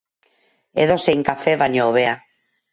Edozein kafe baino hobea.